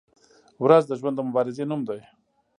• ورځ د ژوند د مبارزې نوم دی.